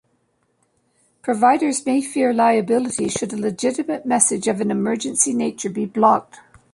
Providers may fear liability should a legitimate message of an emergency nature be blocked.